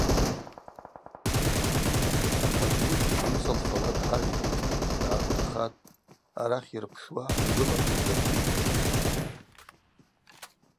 Атажвуыд амца лфауа дгӏагӏвитӏ, дгӏаргванхатӏ, арахь йырпшуа йгылакву дырбитӏ.